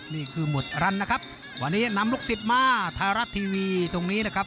นี่คือหมดรันนะครับวันนี้นำลูกศิษย์มาไทยรัฐทีวีตรงนี้นะครับ